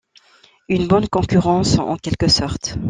Une bonne concurrence en quelque sorte.